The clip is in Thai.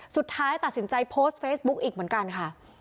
สุดท้ายตัดสินใจโพสต์เฟซบุ๊กอีกเหมือนกันค่ะ